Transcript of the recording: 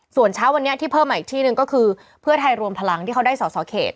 ส่วนเช้าวันนี้ที่เพิ่มมาอีกที่หนึ่งก็คือเพื่อไทยรวมพลังที่เขาได้สอสอเขต